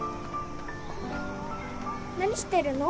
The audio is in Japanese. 何してるの？